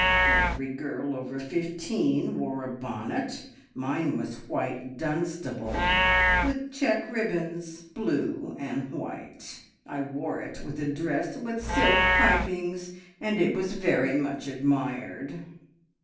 Every girl over fifteen wore a bonnet; mine was white Dunstable, with check ribbons, blue and white. I wore it with a dress with silk pipings, and it was very much admired.